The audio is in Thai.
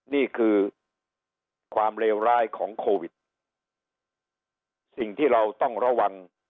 นี่คือความเลวร้ายของโควิดสิ่งที่เราต้องระวัง